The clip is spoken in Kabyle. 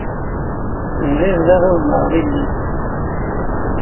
Bɣiɣ daɣ ad ẓreɣ ilel.